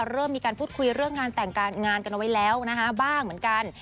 เริ่มมีการพูดคุยเรื่องงานแต่งงานกันเอาไว้แล้วนะคะบ้างเหมือนกัน